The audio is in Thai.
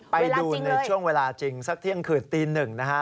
ไปดูในช่วงเวลาจริงสักเที่ยงคืนตี๑นะครับ